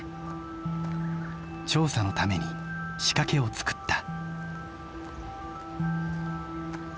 調査のために仕掛けを作った。